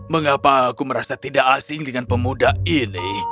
mengapa aku merasa tidak asing dengan pemuda ini